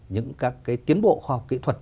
những các tiến bộ khoa học kỹ thuật